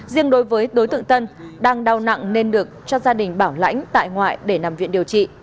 riêng đối với đối tượng tân đang đau nặng nên được cho gia đình bảo lãnh tại ngoại để nằm viện điều trị